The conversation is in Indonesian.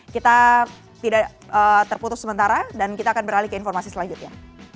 kita tidak terputus sementara dan kita akan beralih ke informasi selanjutnya